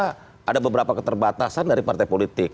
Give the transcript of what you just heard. karena ada beberapa keterbatasan dari partai politik